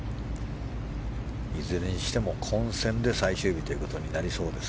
いずれにしても混戦で最終日となりそうです。